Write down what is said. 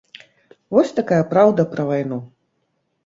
Вось такая праўда пра вайну.